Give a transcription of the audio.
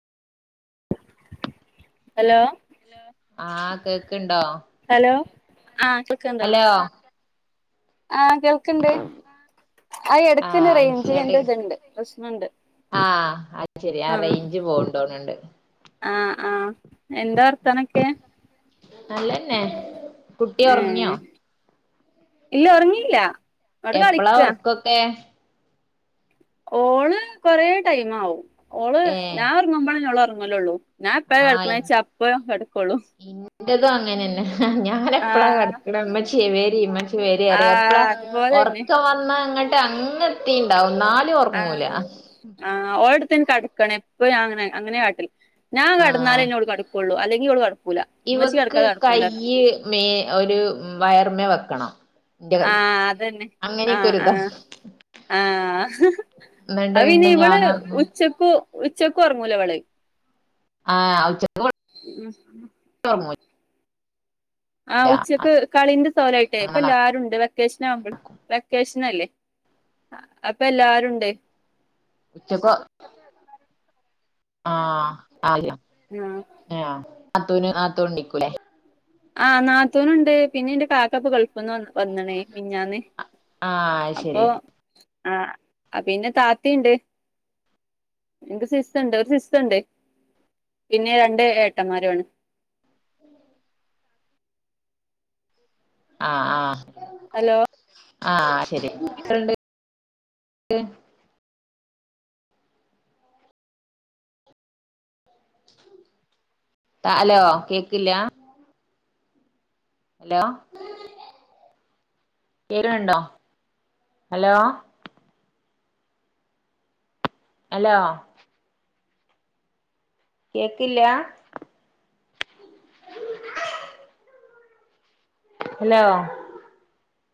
Hello ആ കേക്കണ്ടോ? ആ കേക്കണ്ട് ആ ആ കേൾക്കണ്ട് ആ എടക്കന് ആഹ് റേഞ്ച് എനിക്ക്ങ്ങട്ട് എന്തോ ഇത്ണ്ട് പ്രശ്നണ്ട്. ആഹ് അത് ശെരി ആ അ റേഞ്ച് പോവ്ണ്ടോന്ന്ണ്ട് ആ ആ എന്താ വാർത്തനവൊക്കെ? ഉ നല്ലന്നെ. കുട്ടി ഒറങ്ങിയോ? ഏഹ് ഇല്ല ഉറങ്ങില്ല എപ്പളാ ഉറക്കൊക്കെ ഓള് കൊറേ ടൈം ആവും ഓള് ഏഹ് ഞാനൊർങ്ങുമ്പളന്നെ ഓളോറ ങ്ങലുള്ളൂ. ഞാൻപ്പഴ കെടക്കണേ വെച്ച അപ്പ കെടക്കോളൂ. ന്റതു അങ്ങനനെ ഹ ഞൻ എപ്പഴാ കടക്കണ് ഉമ്മച്ചിയെ വേര് [unintelligible] രിയ പറയും എപ്പളാ ആഹ് അതുപോലെന്നെ ഉറക്കം വന്നങ്ങ അങ്ങത്തിണ്ടാവും ആ ആ ഓ [unintelligible] കടക്കണെ ഇപ്പം ഞാൻ അങ്ങനെ അങ്ങനെ കാട്ടി ഞാൻ ആഹ് കിടനാലെ ഓള് കടുക്കൊള്ളു അല്ലെ നി ഉള്ളപ്പോ ഇവക്ക് കയ്യ് മേ ഒരു വയർമ വക്ക ക്കണണം ആഹ അതന്നെ ആഹ ആഹ ആഹ എന്നിട്ട് അ ഇനി പിന്നെ ഇവടെ ഞാൻ ഉറങ്ങും ഉച്ചക്കു ഉച്ച കുറങ്ങുല വിള ആഹ ആച്ച മോ ആഹ ഉച്ചക്ക് കളിന്റെ സ്ഥലായിട്ടേ അങ്ങനെ ഇപ്പൊ എല്ല നട ആരുണ്ട് വെക്കേഷൻ ആവുമ്പോും വെക്കേഷന അല്ലേ അപ്പൊ എല്ലരുണ്ട് ഉച്ചക്ക് ആഹ ആ ആഹ് ആഹ നത്തൂ നിക്കൂല്ലേ ആഹ് നാത്തൂനുണ്ട് പിന്നെ എന്റെ കാക്കപ്പ ഗൾഫ്ന്നും പറന്നു വന്നണേ മഞ്ഞന്ന് ആഹ് അപ്പൊ ശരി ആഹ പിന്നെ താത്തിയുണ്ട് എനിക്ക് സിസ്റ്റർുണ്ട് ഒരു സിസ്റ്റർുണ്ട് പിന്നെ രണ്ട് ഏട്ടന്മാരണ് ആഹ് ആഹ ഹലോ ആഹ് ശെരിണ്ട് ആ അല്ലയോ കേക്കില്ല ഹലോ കേരുണ്ടോ ഹലോ ഹലോ കേക്കില്ല ഹലോ